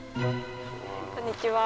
こんにちは。